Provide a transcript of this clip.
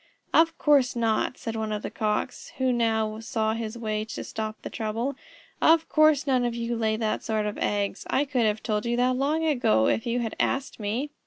"Of course not," said one of the Cocks, who now saw his way to stop the trouble. "Of course none of you lay that sort of eggs. I could have told you that long ago, if you had asked me."